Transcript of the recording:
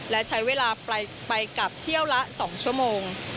และใช้เวลาไปกลับเที่ยวละ๒ชั่วโมง